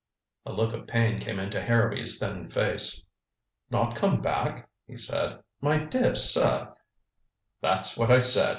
A look of pain came into Harrowby's thin face. "Not come back," he said. "My dear sir " "That's what I said.